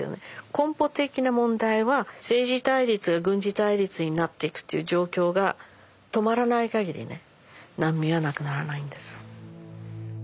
根本的な問題は政治対立が軍事対立になっていくという状況が止まらない限りね難民はなくならないんです。